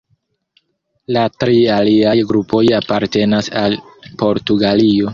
La tri aliaj grupoj apartenas al Portugalio.